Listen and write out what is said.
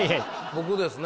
僕ですね。